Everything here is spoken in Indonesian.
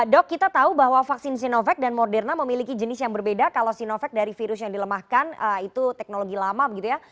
dok kita tahu bahwa vaksin sinovac dan moderna memiliki jenis yang berbeda kalau sinovac dari virus yang dilemahkan itu teknologi lama begitu ya